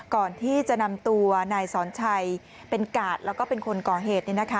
ก่อนที่จะนำตัวนายสอนชัยเป็นกาดแล้วก็เป็นคนก่อเหตุ